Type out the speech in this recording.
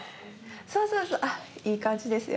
そうそうそうあっいい感じですよ